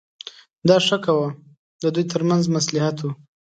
دا ښه کوه د دوی ترمنځ مصلحت و.